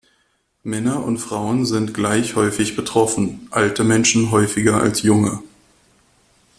Männer und Frauen sind gleich häufig betroffen, alte Menschen häufiger als junge.